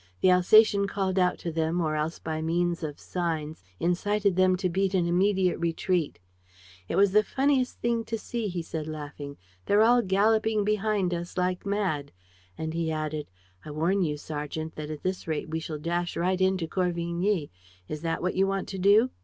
The Alsatian called out to them or else by means of signs incited them to beat an immediate retreat. "It's the funniest thing to see," he said, laughing. "They're all galloping behind us like mad." And he added, "I warn you, sergeant, that at this rate we shall dash right into Corvigny. Is that what you want to do?"